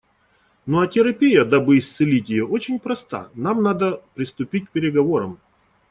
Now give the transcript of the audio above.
Ну а терапия, дабы исцелить ее, очень проста: нам надо приступить к переговорам.